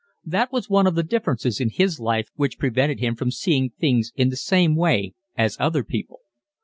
That was one of the differences in his life which prevented him from seeing things in the same way as other people.